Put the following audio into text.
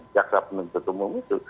jaksa penuntut umum itu